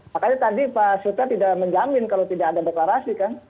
makanya tadi pak suta tidak menjamin kalau tidak ada deklarasi kan